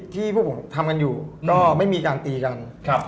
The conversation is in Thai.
พวกผมทำกันอยู่ก็ไม่มีการตีกัน